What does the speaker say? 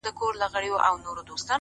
گراني په تا باندي چا كوډي كړي _